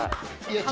いや。